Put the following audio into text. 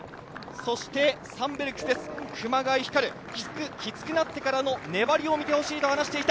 そしてサンベルクスです、熊谷光、きつくなってからの粘りを見てほしいと話していた。